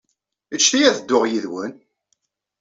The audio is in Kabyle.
Ǧǧet-iyi ad dduɣ yid-wen.